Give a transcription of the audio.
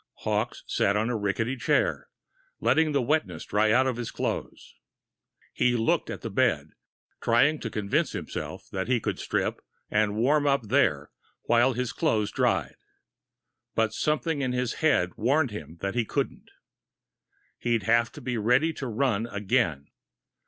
Hawkes sat on the rickety chair, letting the wetness dry out of his clothes. He looked at the bed, trying to convince himself he could strip and warm up there while his clothes dried. But something in his head warned him that he couldn't he'd have to be ready to run again.